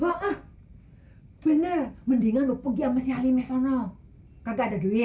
yaimana menu jadinya mau mencoyainya